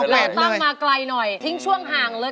เราต้องมาไกลหน่อยทิ้งช่วงห่างเลย